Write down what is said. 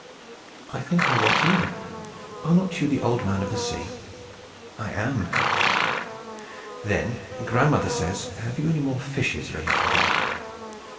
"I think I want you. Are not you the Old Man of the Sea?" "I am." "Then Grandmother says, have you any more fishes ready for her?"